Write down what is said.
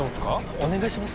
お願いします